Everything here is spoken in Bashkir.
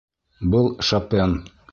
— Был Шопен.